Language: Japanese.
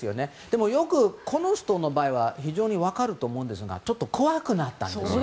でも、この人の場合は非常に分かると思うんですがちょっと怖くなったんですよ。